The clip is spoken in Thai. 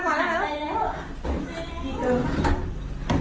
ชมพูละอยู่แล้ว